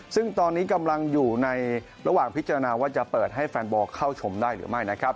ซึ่งตอนนี้กำลังอยู่ในระหว่างพิจารณาว่าจะเปิดให้แฟนบอลเข้าชมได้หรือไม่นะครับ